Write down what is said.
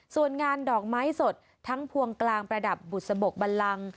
ส่วนงานดอกไม้สดทั้งพวงกลางประดับบุษบกบันลัง